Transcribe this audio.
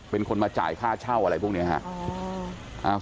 เป็นคนมาจ่ายค่าเช่าอะไรพวกนี้ครับ